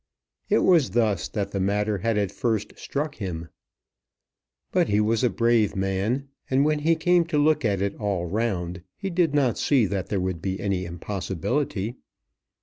It was thus that the matter had at first struck him. But he was a brave man, and, when he came to look at it all round, he did not see that there would be any impossibility.